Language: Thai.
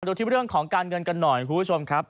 ดูที่เรื่องของการเงินกันหน่อยคุณผู้ชมครับ